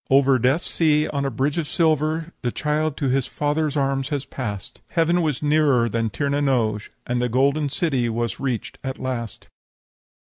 "Over Death Sea on a bridge of silver The child to his Father's arms had passed! Heaven was nearer than Tir na n'oge, And the golden city was reached at last."